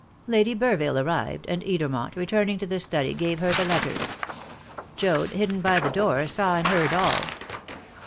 "Lady Burville arrived, and Edermont, returning to the study, gave her the letters. Joad, hidden behind the door, saw and heard all.